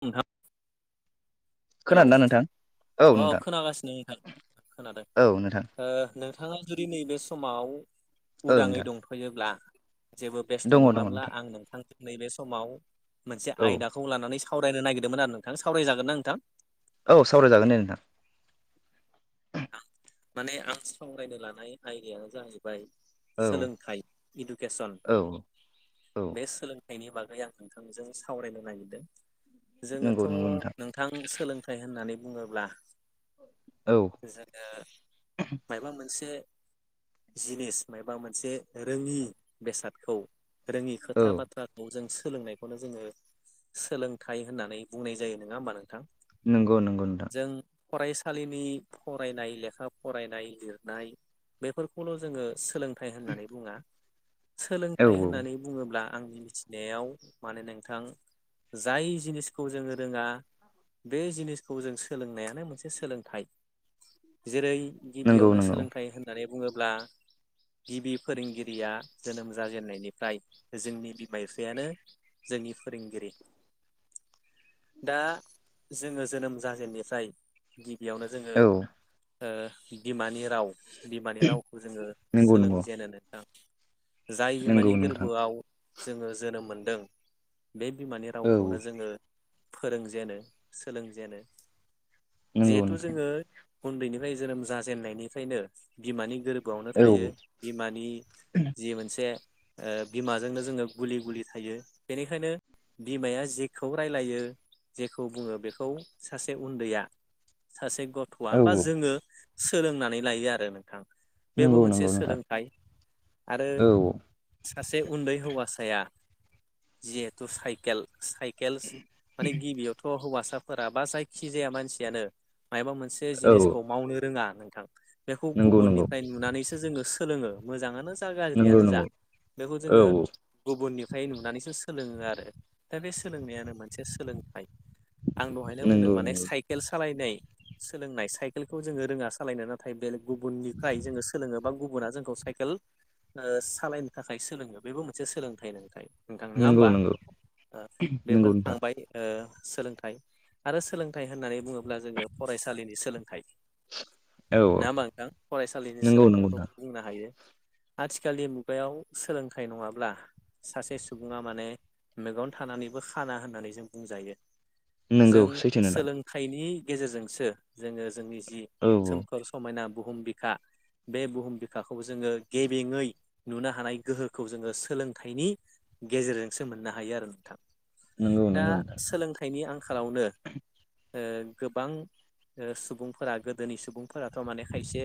नोंथां हेलौ खोनादोंना नोंथां औ अ नोंथां खोनागासिनो नोंथां खोनादों औ नोंथां ओ नों नोंथाङा जुदि नैबे समाव औ उदाङै नोंथां दंफयोब्ला जेबो बेस्थ' दङ दङ नङाब्ला आं नोंथां नैबे समाव मोनसे औ आयदाखौ लानानै सा सावरायनो नागिरदोंमोन आरो नोंथां सावरायजागोना नोंथां? औ सावरायजागोन दे नोंथां। माने आं सावरायनो लानाय आयदायानो जाहैबाय। औ सोलोंथाइ इडुकेसन औ औ बे सोलों बिनि बागै आं नोंथांजों सावरायनो नागिरदों। नंगौ जोङोथ' नंगौ नोंथां सोलोंथाइ होननानै बुङोब्ला [unintelligible] जोङो मायबा मोनसे जिनिस मायबा मोनसे रोङि बेसादखौ रोङि औ खोथा बाथ्राखौ जों सो लोंनायखौनो जोङो सोलोंथाइ होननानै बुंनाय जायो नङा होमबा नोंथां। नंगौ-नंगौ नोंथां। जों फरायसालिनि। फरायनाय, लेखा फरायनाय, लिरनाय बेफोरखौल' जोङो सोलों। होननानै बुङा औ सोलोंथाइ औ होननानै बुङोब्ला। आंनि मिथिनायाव माने नोंथां जाय जिनिसखौ जोङो रोङा। बे जिनिसखौ जों सोलोंनायानो मोनसे सोलोंथाइ। नंगौ जेरै-गिबियावनो नंगौ सोलोंथाइ होननानै बुङोब्ला। गिबि फोरोंगिरिया जोनोम जाजेननायनिफ्राय जोंनि बिमा-बिफायानो। जोंनि फोरोंगिरि। दा जोङो जोनोम जाजेननिफ्राय गिबियावनो जोङो। [unintelligible] ओ बिमानि राव, बिमानि रावखो जोङो नंगौ नंगौ सोलोंजेनो नोंथां। जाय नंगौ बिमानि नोंथां गोरबोआव जोङो जोनोम मोनदों। बे बिमानि औ रावखौनो जोङो फोरोंजेनो सोलोंजेनो। नंगौ जिहेथु नोंथां जोङो उन्दैनिफ्राय जोनोम जाजेननायनिफ्रायनो बिमानि गोरब। बावनो औ थायो बिमानि जि मोनसे। ओ बिमाजोंनो जोङो गुलि-गुलि थायो बेनिखायनो। बिमाया जेखौ रायलायो जेखौ बुङो बेखौ सासे उन्दैया। सासे गथ। थ'आ बा औ जोङो सोलोंनानै लायो आरो नोंथां बेबो नंगौ मोनसे नंगौ नोंथां सोलोंथाइ। आरो औ सासे उन्दै हौवासाया जिहेतु साइकेल। साइकेल माने गिबियावथ' हौवासाफोरा बा जायखि जाया मानसियानो मायबा मोन। औ जिनिसखौ मावनो रोङा नोंथां बेखौ नंगौ नंगौ गुबुननिफ्राय नुनानैसो जोङो सो। लोङो मोजाङानो जा नंगौ गाज्रियानो जा नंगौ बेखौ औ जोङो औ गुबुननि। फाय नुनानैसो सोलोङो आरो दा बे सोलोंनायानो मोनसे सोलोंथाइ। आं दहायनो बुंदों नंगौ माने नंगौ साइकेल सालायनाय। सोलोंनाय साइकेलखौ जोङो रोङा सालायनो नाथाय बेलेग गुबुननिफ्राय जोङो सोलोङो बा गुबुन। गुबुना जोंखौ साइकेल ओ सालायनो थाखाय सोलोङो बेबो मोनसे सोलोंथाइ नोंथाइ। नोंथां नङा नंगौ ओमबा? नंगौ ओ बेफोर नंगौ नोंथां थांबाय ओ। सोलोंथाइ आरो सोलोंथाइ होननानै बुङोब्ला जोङो फरायसालिनि सोलोंथाइ। औ औ नङा ओमबा नोथां? फरायसालिनि नंगौ नंगौ सोलोंथाइखौ नोंथां बुंनो हायो। आथिखालनि मुगायाव सोलोंथाइ नङाब्ला। सासे सुबुङा माने मेगन थानानैबो खाना होननानै जों बुंजायो। नंगौ जों सैथो नोंथां सोलोंथाइनि गेजेरजोंसो जोङो जोंनि। औ औ सोमखोर समायना बुहुम बिखा। बे बुहुम बिखाखौ जोङो गेबेङै नुनो हानाय गोहोखौ जोङो सोलोंथाइनि। गेजेरजोंसो मोननो हायो आरो नोंथां। नंगौ दा नंगौ नोंथां सोलोंथाइनि आंखालावनो ओ गोबां। ओ सुबुंफोरा गोदोनि सुबुंफोराथ' माने खायसे।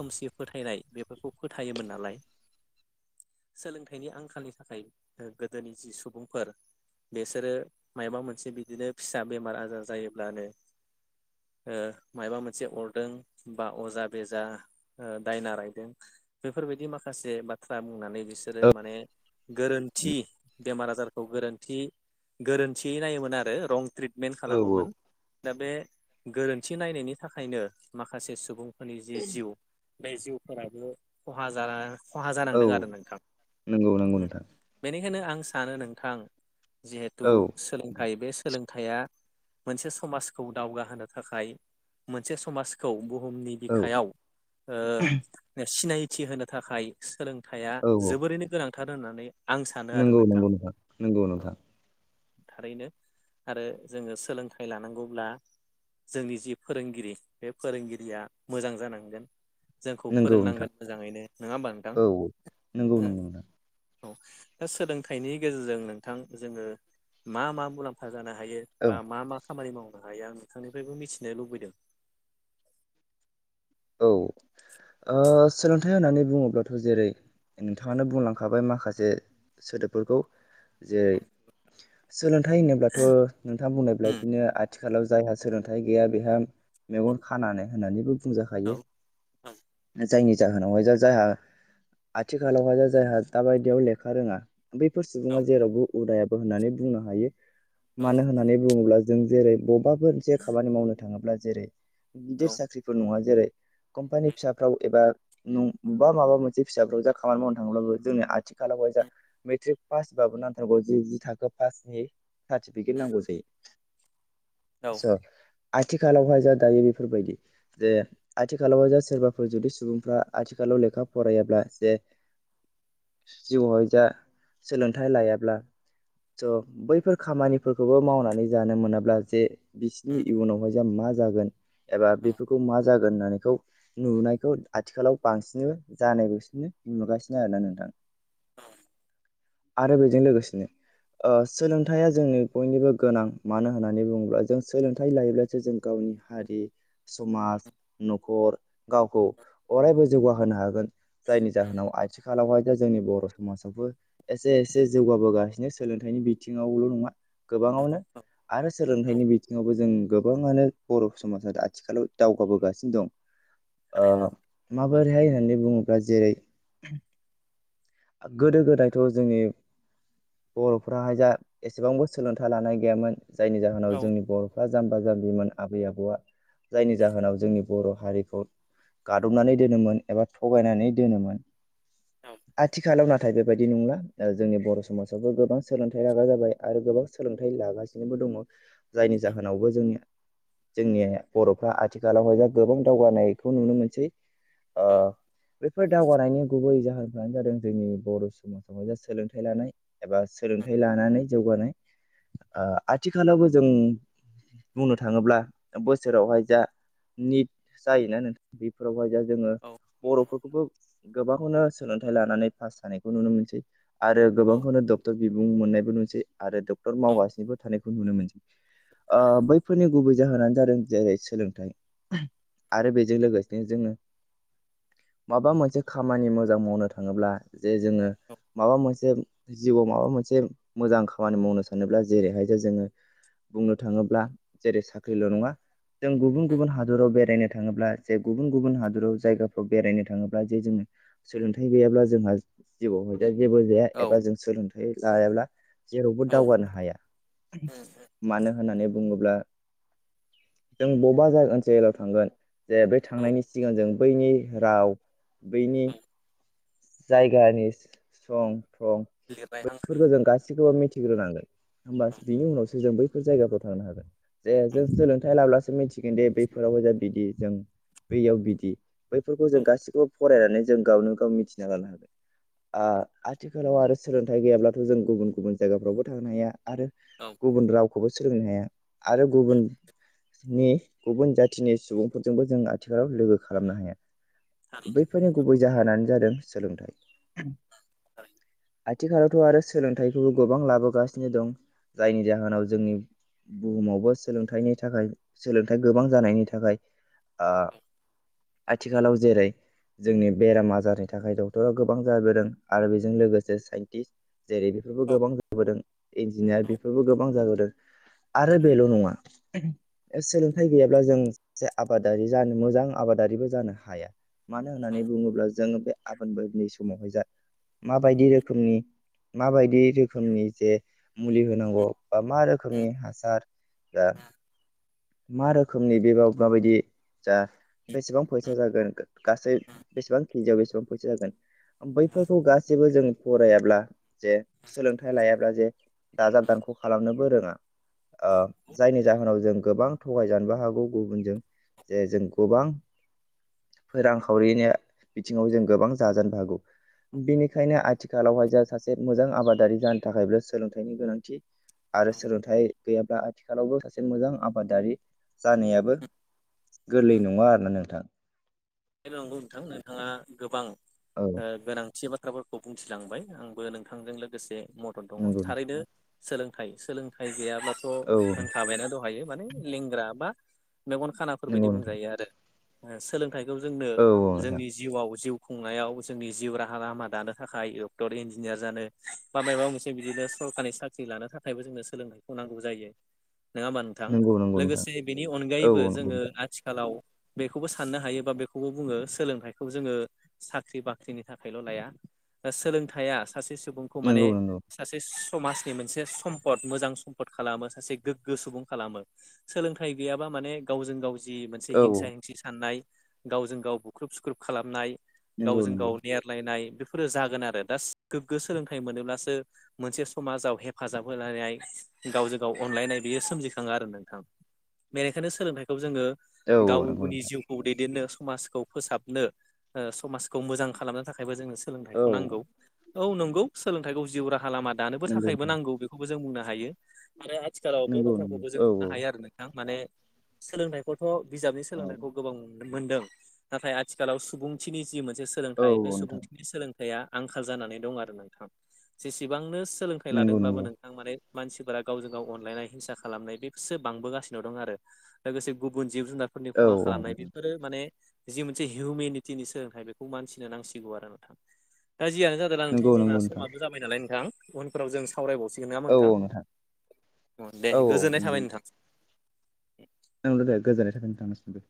खोमसि फोथायनाय बेफोरखौ फोथायोमोन नालाय। सोलोंथाइनि आंखालनि थाखाय ओ गोदोनि जि सुबुंफोर। बेसोरो मायबा मोनसे बिदिनो फिसा बेमार-आजार जायोब्लानो। ओ मायबा मोनसे अरदों बा अजा बेजा दायना रायदों। बेफोरबायदि माखासे बाथ्रा बुंनानै बिसोरो माने। गोरोन्थि बेमार-आजारखौ गोरोन्थि गोरोन्थियै नायोमोन आरो रं ट्रिट। मेन औ औ औ खालामोमोन दा बे गोरोन्थि नायनायनि थाखायनो माखासे सुबुं। फोरनि जि-जिउ बे जिउफोराबो खहा जाना। खहा औ जानांदों आरो नोंथां नंगौ नंगौ उम नोंथां बेनिखायनो आं सानो नोंथां। जिहेतु औ सोलोंथाइ बे सोलोंथाइया मोनसे समाजखौ दावगा होनो। थाखाय मोनसे समाजखौ बु। बुहुमनि औ बिखायाव सिनायथि होनो थाखाय सोलों। हाया औ औ जोबोरैनो गोनांथार होननानै। आं सानो आरो नंगौ नंगौ नोंथां नंगौ औ नोंथां। थारैनो आरो जोङो सोलोंथाइ लानांगौब्ला। जोंनि जि फोरोंगिरि बे फोरोंगिरिया मोजां जानांगोन। जोंखौ नंगौ नोंथां फोरोंनांगोन मोजाङैनो नङा होमबा नोंथां औ औ नंगौ नंगौ नोंथां ओ। औ दा सोलोंथाइनि गेजेरजों नोंथां जोङो मा मा मुलाम्फा। हायो औ बा मा मा खामानि मावनो हायो आं नोंथांनि। फ्रायबो मिथिनो लुबैदों। औ ओ सोलोंथाइ होननानै बुङोब्लाथ' जेरै। नोंथाङानो बुंलांखाबाय माखासे सोदोबफोरखौ जेरै स। सोलोंथाइ होनोब्लाथ' नोंथाङा बुंनायबाबदिनो आ। आथिखालाव जायहा सोलोंथाइ गैया बेहा मेगन खानानै होन्नानैबो बुंजा। औ हायो जायनि। जाहोनावहाय जायहा आथिखालावहाय जायहा दााबायदियाव लेखा रोङा। बैफोर औ सुबुङा जेरावबो उदायाबो होननानै बुंनो हायो मानो होननानै बुङोब्ला। जों जेरै बबेबाो मोनसे खामानि मावनो थाङोब्ला जेरै गिदिर साख्रिफोर नङा जेरै। कम्पानि फिसाफ्राव एबा न बबेबा माबा मोनसे फिसाफ्राव जा खामानि मावनो थाङोब्लाबो जोंनि आथि। खालामबाय जा मेट्रिक पासबाबो नांथारगौ जि जि थाखो पासनि। सार्टिफिकेट नांगौ जायो। स' आथिखालावहाय जा दायो बेफोरबायदि जे। आथिखालाव जा सोरबाफोर जुदि सुबुंफ्रा आथिखालाव लेखा फरायाब्ला जे। जिउहाय जा सोलोंथायाइ लायाब्ला। स' बैफोर खामानिफोरखौबो मावनानै जानो मोनाब्ला जे बिसोरनि इयुनावहाय जा मा। जागोन एबा बे मा जाग। न होननानैखौ नुनायखौ आथिखालाव बांसिनबो जानायबोसिनो नुगासिनो आरोना नोंथां। औ। आरो बेजों लोगोसेनो। अ सोलोंथाइया जोंनि बयनिबो गोनां मानो होननानै बुङोब्ला जों सोलोंथाइ लायोब्लासो जों गावनि। नि हारि समाज। न'खर गावखौ अरायबो जौगाहोनो हागोन जायनि जाहोनाव आथि आथिखालावहायथा जोंनि बर' समाजावबो एसे एसे जौगाबोगासिनो सोलोंथाइनि बिथिङावल' नङा। गोबाङावनो। आरो सोलोंथाइनि बिथिङावबो जों गोबाङानो बर' समाजा आथिखालाव दावगाबोगासि। सिनो माबोरैहाय होननानै बुङोब्ला जेरै। गोदो गोदायथ' जोंनि। बर'फ्राहाय जा एसेबांबो सोलोंथाइ लानाय गैयामोन जायनि जाहोनाव औ जोंनि बर'फ्रा जाम। जाम्बिमोन आबै आबौआ जायनि जाहोनाव जोंनि बर' हारिखौ। गादबनानै दोनोमोन एबा थगायनानै दोनोमोन। औ। आथिखालाव नाथाय बेबायाददि नंला जोंनि बर' समाजावबो गोबां सोलोंथाइ रागा जाबाय आरो गोबां सोलोंथाइ। लागासिनोबो दङ जायनि जाहोनावबो जोंनि। जोंनि बर'फ्रा आथिखालावहाय दा गोबां दावगानायखौ नुनो मोनसै। ओ बेफोर दावगानायनि गुबै जाहोन नानो जादों जोंनि बर' समाजावहाय सोलोंथाइ लानाय एबा सोलोंथाइ लानानै जौगानाय। ओ आथिखालावबो जों बुंनो थाङोब्ला बोसोरावहाय जा निट जायो ना नोंथां बेफोरावहाय जा जोङो बर'फोरखौबो गोबांआवनो सोलोंथाइ लानानै पास जानायखौ नुनो मोनसै आरो औ गोबांखौनो डक्टर बिबुं मोननायबो नुसै आरो डक्टर मावगासिनोबो थानायखौ नुनो मोनसै। ओ बैफोरनि गुबै जाहोनानो जादों जेरै सोलोंथाइ आरो बेजों लोगोसेनो जोङो माबा मोनसे खामानि मोजां मावनो थाङोब्ला जे जोङो माबा मोनसे जिउआव माबा मोनसे मोजां खामानि मावनो सानोब्ला जेरैहायसो जोङो बुंनो थाङोब्ला जेरै साख्रिल' नङा जों गुबुन गुबुन हादराव बेरायनो थाङोब्ला जे गुबुन गुबुन हादराव जायगाफ्राव बेरायनो थाङोब्ला जे जोङो सोलोंथाइ गैयाब्ला जोंहा जिउआव हाय जेबो जाया एबा जों सोलोंथाइ लायाब्ला जेरावबो औ दावगानो हाया मानो होननानै बुङोब्ला जों ब'बा जायगा ओनसोलाव थांगोन जे बै थांनायनि सिगां जों बैनि राव बैनि जायगानि सं थं लिरनाय हांखो बैफोरखौ जों गासिखौबो मिथिग्रोनांगोन। होमबासो बिनि उनावसो जों बै फोर जायगाफ्राव थांनो हागोन जे जों सोलोंथाइ लाब्लासो मिथिगोन दे बैफोरावबो जा बिदि जों बैयाव बिदि बैफोरखौ जों गासैखौबो फरायनानै जों गावनो गाव मिथिना लानो हागोन। आ-आथिखालाव आरो सोलोंथाइ गैयाब्लाथ' जों गुबुन गुबुन जायगाफ्रावबो थांनो हाया। आरो औ गुबुन रावखौबो सोलोंनो हाया आरो गुबुन नि गुबुन जाथिनि सुबुंफोरजोंबो जों आथिखालाव लोगो खालामनो हाया। थारै बैफोरनि गुबै जाहोनानो जादों सोलोंथाइ। थारैनो। आथिखालावथ' आरो सोलोंथाइखौबो गोबां लाबोगासिनो दं जायनि जाहोनाव जोंनि बुहुमावबो सोलोंथाइनि थाखाय सोलोंथाइ गोबां जानायनि थाखाय ओ आथिखालाव जेरै जोंनि बेराम आजारनि थाखाय डक्टरा गोबां जाबोदों आरो बेजों लोगोसे साइन्टिस्ट जेरै बेफोरबो औ गोबां जाबोदों इन्जिनियार बेफोरबो गोबां जाबोदों आरो बेल' नङा सोलोंथाइ गैयाब्ला जों सासे आबादारि जानो मोजां आबादारिबो जानो हाया। मानो होननानै बुङोब्ला जों बे फोरनि समावहाय जा माबायदि रोखोमनि माबायदि रोखोमनि जे मुलि होनांगौ बा मा रोखोमनि हासार दा मा रोखोमनि बेबा माबायदि जा बेसेबां फैसा जागोन गासै बेसेबां केजियाव बेसेबां फैसा जागोन बैफोरखौ गासैबो जों फरायाब्ला जे सोलोंथाइ लायाब्ला जे दाजाब दान ख' खालामनोबो रोङा ओ औ जायनि जाहोनाव जों गोबां थगायजानोबो हागौ गुबुनजों। जे जों गोबां ओ रांखावरिनि बिथिङाव जों गोबां जाजानोबो हागौ। बेनिखायनो आथिखालावहाय जा सासे मोजां आबादारि जानो थाखायबो सोलोंथाइनि गोनांथि। आरो सोलोंथाइ गैयाब्ला आथिखालावबो सासे मोजां आबादारि जानायाबो गोरलै नङा आरोना नोंथां। बेबो नंगौ नोंथां नोंथाङा गोबां औ ओ गोनांथि एबा बा थ्राफोरखौ बुंथिलांबाय आंबो नोंथांजों लोगोसे मदद दङ नंगौ थारैनो सोलोंथाइ सोलोंथाइ गैयाब्लाथ' औ होनखाबायना दहायो माने लेंग्रा बा मेगन खानाफोरबायदि नंगौ नोंथां बुंजायो आरो सोलोंथाइखौ जोंनो औ औ नोंथां जोंनि जिउआव जिउ। खुंनायाव जोंनि जिउ राहा लामा दानो थाखाय डक्टर इन्जिनियार जानो बा मायबा मोनसे बिदिनो। सरकारि साख्रि लानो थाखायबो जोंनो सोलोंथाइखौ नांगौ जायो। नोङा होमबा नोंथां नंगौ नंगौ नोंथां लोगोसे बेनि औ अनगायैबो औ जोङो नंगौ आथिखालाव बेखौबो साननो हायो। बा बेखौबो बुङो सोलोंथाइखौ जोङो साख्रि बाख्रिनि थाखायल' लाया। दा सोलोंथाइया सासे सुबुंखौ माने नोंथां सासे सु। समाजनि मोनसे सम्पद मोजां सम्पद खालामो सासे गोग्गो सुबुं खालामो सोलोंथाइ गैयाबा। माने गावजों गाव जि मोनसे हिंसा हिंसि साननाय। गावजों गाव बुख्रुब-सुख्रुब खालामनाय नंगौ गावजों नंगौ गाव नेेरलायनाय बेफोरो जागोन आरो दा गोग्गो सोलोंथाइ मोनोब्लासो मोनसे समाजाव हेफाजाब होलायनाय गावजों गाव अनलायनाय बेयो सोमजिखाङो आरो नोंथां। औ गाव नंगौ गावनि औ जिउखौ दैदेननो समाजखौ फोसाबनो ओ समाजखौ ओ मोजां खालामनो थाखायबो जोंनो औ सोलोंथाइखौ नंगौ नांगौ। नोंथां औ नंगौ सोलोंथाइखौ जिउ राहा लामा औ दानोबो थाखायबो नांगौ बेखौबो जों बुंनो हायो। माने आथिखालाव बे नंगौ नंगौ बाथ्राखौबो जों औ नुनो हायो आरो नोंथां माने सोलोंथखौथ'। बिजाबनि औ सोलोंनायखौ गोबां मोनदों नाथाय आथिखालाव सुबुंथिनि जि मोन से औ सोलोंथाइ बे औ नोंथां सुबुंफोरनि सोलोंथाइया आंखाल जानानै दं आरो नोंथां। जेसेबांनो सोलोंथाइ नंगौ लादोंब्लाबो नंगौ नोंथां माने मानसिफोरा गावजों गाव अनलायनाय हिंसा खालामनाय बेफोरसो बांबोगासिनो दं आरो लोगोसे गुबुन जिउ-जुनारफोरनि औ खहा औ खालामनाय बेफोरो माने जि मोनसे हिउमेनिटिनि सोलोंथाइ बेखौ मानसिनो नांसिगौ आरो नोंथां। दा जियानो जादोंला नोंथां नंगौ जोंना नंगौ नोंथां समाबो जाबाय नालाय नोंथां उनफोराव जों सावरायबावसिगोन नामा औ नोंथां औ अ दे औ औ गोजोननाय थाबाय नोंथां। औ दे गोजोन्नाय थाबाय नोंथांनिसिमबो।